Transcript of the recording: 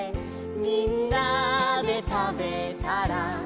「みんなでたべたら」